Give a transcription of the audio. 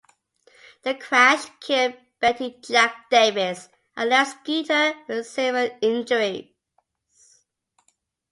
The crash killed Betty Jack Davis and left Skeeter with severe injuries.